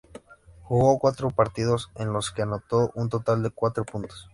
Jugó cuatro partidos, en los que anotó un total de cuatro puntos.